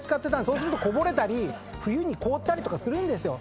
そうするとこぼれたり冬に凍ったりとかするんですよ。